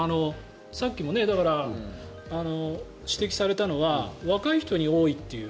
さっきも指摘されたのは若い人に多いという。